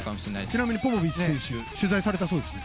ちなみにポポビッチ選手を取材されたそうですね。